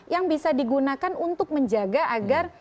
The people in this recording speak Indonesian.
yang bisa digunakan untuk menjaga agar